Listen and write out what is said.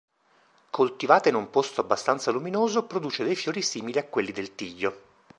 Coltivata in un posto abbastanza luminoso, produce dei fiori simili a quelli del tiglio.